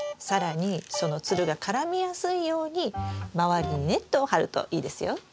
更にそのつるが絡みやすいように周りにネットを張るといいですよ。